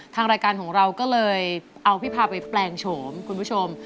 ทางรายการของเราก็เลยเอาพี่พาไปแปลงโฉม